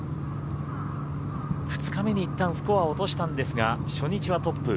２日目にいったんスコアを落としたんですが初日はトップ。